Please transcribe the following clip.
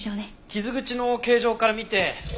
傷口の形状から見て。